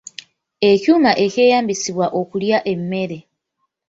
Ekyuma ekyeyambisibwa okulya emmere.